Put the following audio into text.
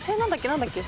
何だっけ？